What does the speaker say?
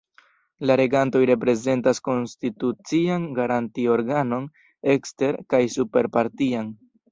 La regantoj reprezentas konstitucian garanti-organon ekster- kaj super-partian.